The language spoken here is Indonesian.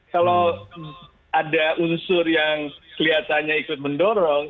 kalau ada unsur yang kelihatannya ikut mendorong